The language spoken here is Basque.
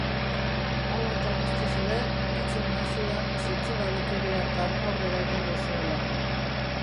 Hala eta guztiz ere, hitz eman zidan zentzugabekeria hartan aurrera egingo zuela.